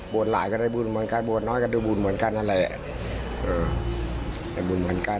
บวชหลานก็ได้บุญเหมือนกันบวชน้อยก็ได้บุญเหมือนกันนั่นแหละ